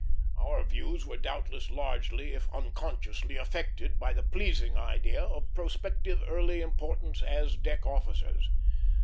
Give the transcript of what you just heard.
Our views were doubtless largely, if unconsciously, affected by the pleasing idea of prospective early importance as deck officers.